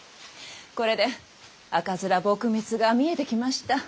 これで赤面撲滅が見えてきました。